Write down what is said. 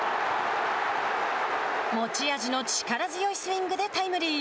持ち味の力強いスイングでタイムリー。